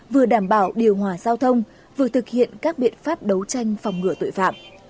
vừa đảm bảo điều hòa giao thông vừa thực hiện các biện pháp đấu tranh phòng ngừa tội phạm